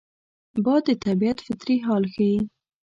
باد د طبیعت فطري حال ښيي